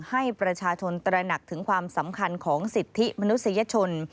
ให้ประชาชนตระหนักถึงความสำคัญของสิทธิมนุษยชน